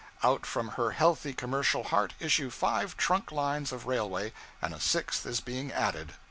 Out from her healthy commercial heart issue five trunk lines of railway; and a sixth is being added.